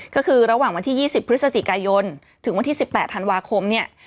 ก็คือระหว่างวันที่๒๐พฤศจิกายนถึงวันที่๑๘ธันวาคมเนี่ย